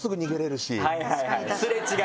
すれ違い。